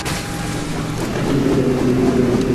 কিন্তু এই শহরকে বদলানো সম্ভব।